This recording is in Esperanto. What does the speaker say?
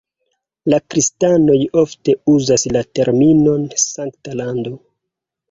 La kristanoj ofte uzas la terminon "Sankta Lando".